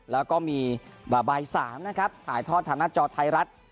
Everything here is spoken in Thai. แล้วก็มีบ่าย๓นะครับถ่ายทอดทางหน้าจอไทยรัฐ